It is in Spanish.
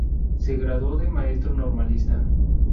Se graduó de maestro normalista.